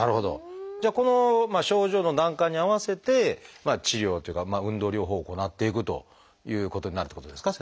じゃあこの症状の段階に合わせて治療というか運動療法を行っていくということになるってことですか？